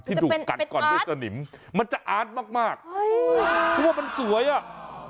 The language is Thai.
ที่ดูกัดก่อนด้วยสนิมมันจะอาดมากคือว่ามันสวยอ่ะ